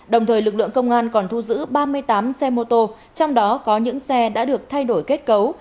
đồng thời lực lượng công an còn thu giữ ba mươi tám xe mô tô trong đó có những xe đã được thay đổi kết cấu